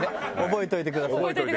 覚えといてください。